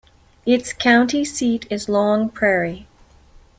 Its county seat is Long Prairie.